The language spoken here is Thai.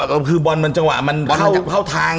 คือบอลมันจังหวะเข้าทาง